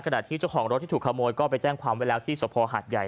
ที่เจ้าของรถที่ถูกขโมยก็ไปแจ้งความไว้แล้วที่สภหาดใหญ่